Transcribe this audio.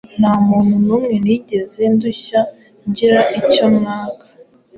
nta muntu n’umwe nigeze ndushya ngira icyo mwaka.